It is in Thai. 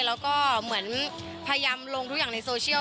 แล้วก็เหมือนพยายามลงทุกอย่างในโซเชียล